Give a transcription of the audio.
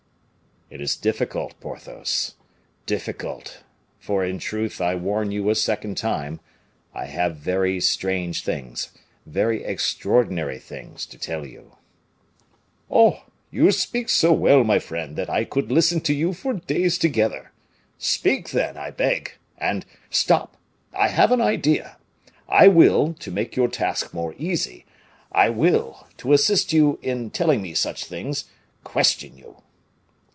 "It is difficult, Porthos difficult; for, in truth, I warn you a second time, I have very strange things, very extraordinary things, to tell you." "Oh! you speak so well, my friend, that I could listen to you for days together. Speak, then, I beg and stop, I have an idea: I will, to make your task more easy, I will, to assist you in telling me such things, question you."